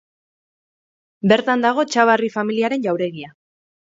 Bertan dago Txabarri familiaren jauregia.